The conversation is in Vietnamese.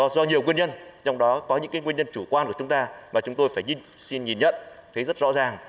do nhiều nguyên nhân trong đó có những nguyên nhân chủ quan của chúng ta mà chúng tôi phải xin nhìn nhận thấy rất rõ ràng